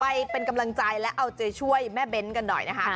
ไปเป็นกำลังใจและเอาใจช่วยแม่เบ้นกันหน่อยนะคะ